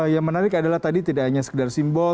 yang menarik adalah tadi tidak hanya sekedar simbol